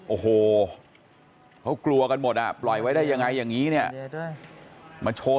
โอ้โหเขากลัวกันหมดอ่ะปล่อยไว้ได้ยังไงอย่างนี้เนี่ยมาโชว์